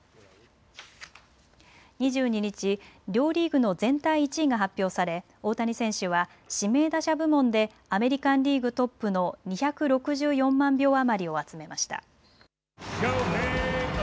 ２２日、両リーグの全体１位が発表され大谷選手は指名打者部門でアメリカンリーグトップの２６４万票余りを集めました。